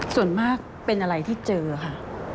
ส่วนมากเป็นอะไรที่เจอค่ะ